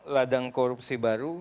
padang korupsi baru